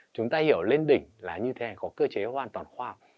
chúng ta hiểu lên đỉnh là như thế có cơ chế hoàn toàn khoa học